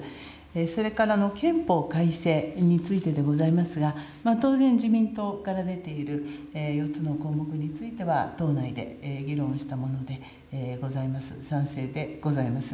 それから、憲法改正についてでございますが、当然、自民党から出ている４つの項目については、党内で議論したものでございます、賛成でございます。